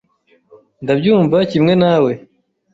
Ndabyumva kimwe nawe.